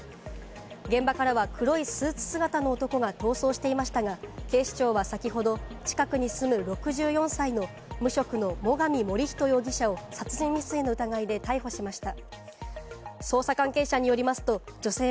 現場からは黒いスーツ姿の男が逃走していましたが、警視庁は先ほど近くに住む６４歳の無職の最上守人容疑者を殺人未遂の疑いで逮捕しました。